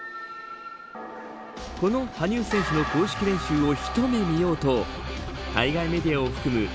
この羽生選手の公式練習を一目見ようと海外メディアを含む